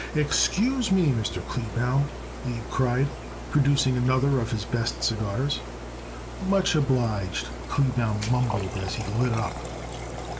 "Excuse me, Mr. Kleebaum!" Abe cried, producing another of his best cigars. "Much obliged," Kleebaum mumbled as he lit up.